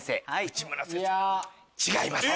違います。